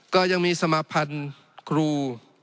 ก็ยังมีสมาพันธ์ครู